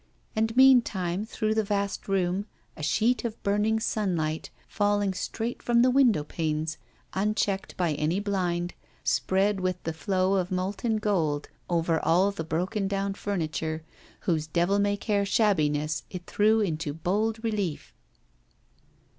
And, meantime, through the vast room, a sheet of burning sunlight, falling straight from the window panes, unchecked by any blind, spread with the flow of molten gold over all the broken down furniture, whose devil may care shabbiness it threw into bold relief.